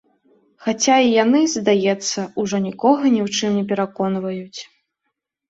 Хаця і яны, здаецца, ужо нікога ні ў чым не пераконваюць.